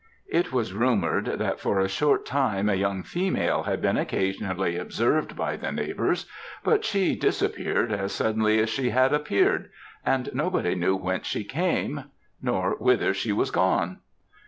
It was rumoured that for a short time a young female had been occasionally observed by the neighbours, but she disappeared as suddenly as she had appeared, and nobody knew whence she came, nor whither she was gone.